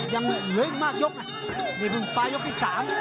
ยังเหลืออีกมากยกนะปลายกที่๓